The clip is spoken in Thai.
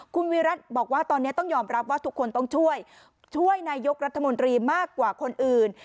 คุณวิรัติบอกว่าตอนนี้ต้องยอมรับว่าทุกคนต้องช่วยช่วยนายกรัฐมนตรีมากกว่าคนอื่น